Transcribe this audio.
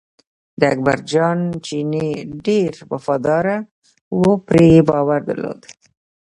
د اکبر جان چینی ډېر وفاداره و پرې یې باور درلود.